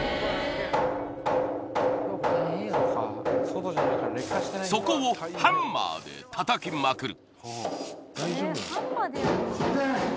そのそこをハンマーでたたきまくる